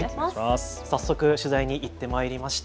早速取材に行ってまいりました。